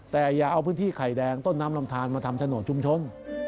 แต่อย่าเอาพื้นที่ไข่แดงต้นน้ำลำทานมาทำถนนชุมชน